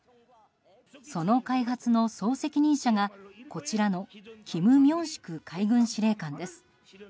その開発の総責任者がこちらのキム・ミョンシク海軍司令官です。